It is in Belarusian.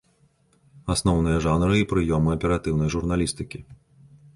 Асноўныя жанры і прыёмы аператыўнай журналістыкі.